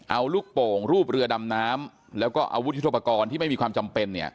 เอาลูกโป่งรูปเรือดำน้ำแล้วก็อาวุธยุทธปกรณ์ที่ไม่มีความจำเป็น